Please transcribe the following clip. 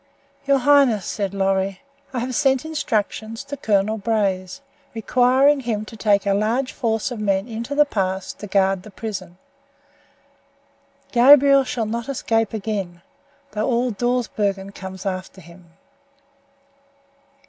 "Your highness," said Lorry, "I have sent instructions to Colonel Braze, requiring him to take a large force of men into the pass to guard the prison. Gabriel shall not escape again, though all Dawsbergen comes after him."